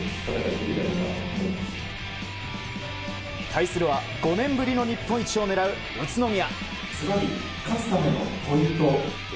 対するは５年ぶりの日本一を狙う宇都宮。